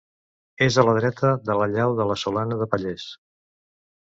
És a la dreta de la llau de la Solana de Palles.